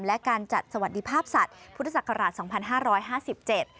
และการจัดสวัสดิภาพสัตว์พุทธศักราช๒๕๕๗